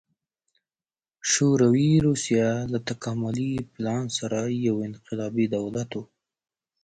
شوروي روسیه له تکاملي پلان سره یو انقلابي دولت و